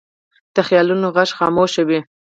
د خیالونو غږ خاموش وي